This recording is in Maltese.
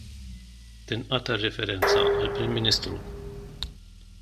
Tinqata' r-referenza għall-Prim Ministru.